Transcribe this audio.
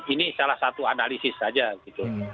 ini salah satu analisis saja gitu